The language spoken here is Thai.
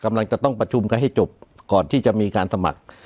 กำลังจะต้องประชุมกันให้จบก่อนที่จะมีการสมัคร